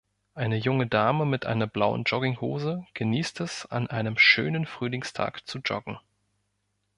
Eine junge Dame mit einer blauen Jogginghose genießt es, an einem schönen Frühlingstag zu joggen.